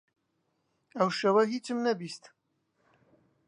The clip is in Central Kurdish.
ئەو شەوە هیچم نەبیست.